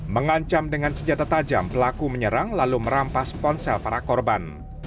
mengancam dengan senjata tajam pelaku menyerang lalu merampas ponsel para korban